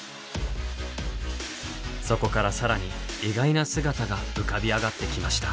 そこから更に意外な姿が浮かび上がってきました。